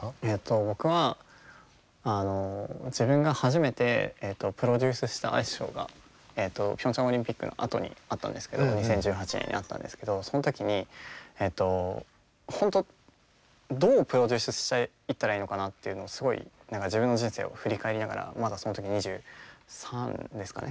僕は自分が初めてプロデュースしたアイスショーがピョンチャンオリンピックのあとにあったんですけど２０１８年にあったんですけどその時に本当どうプロデュースしていったらいいのかなっていうのをすごい自分の人生を振り返りながらまだその時２３ですかね